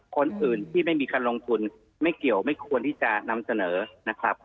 คนอื่นที่ไม่มีการลงทุนไม่เกี่ยวไม่ควรที่จะนำเสนอนะครับ